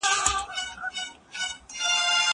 هغه وويل چي تمرين مهم دي!!